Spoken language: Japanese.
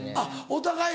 お互い？